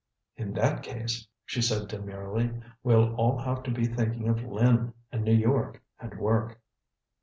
"In that case," she said demurely, "we'll all have to be thinking of Lynn and New York and work."